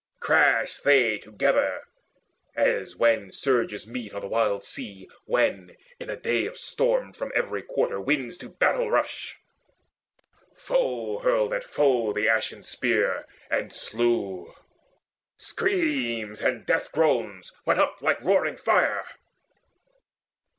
Crashed they together as when surges meet On the wild sea, when, in a day of storm, From every quarter winds to battle rush. Foe hurled at foe the ashen spear, and slew: Screams and death groans went up like roaring fire.